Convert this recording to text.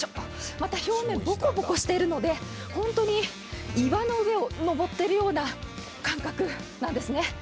また表面、ボコボコしているので、本当に岩の上を上っているような感覚なんですね。